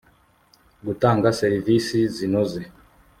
gutanga serivisi zinoze